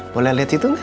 boleh lihat situ nda